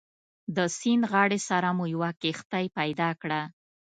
د سیند غاړې سره مو یوه کښتۍ پیدا کړه.